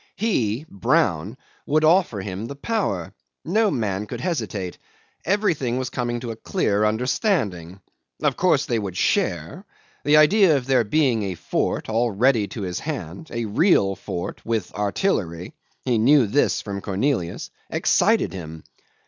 He, Brown, would offer him the power. No man could hesitate. Everything was in coming to a clear understanding. Of course they would share. The idea of there being a fort all ready to his hand a real fort, with artillery (he knew this from Cornelius), excited him.